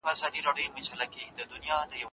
ګاونډیان به د جګړې مخه ونیسي.